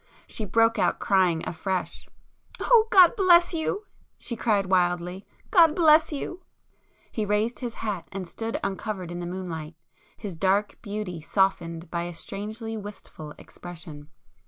She broke out crying afresh. "Oh God bless you!" she cried wildly—"God bless you!" He raised his hat and stood uncovered in the moonlight, his dark beauty softened by a strangely wistful expression.